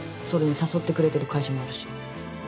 それに誘ってくれてる会社もあるし。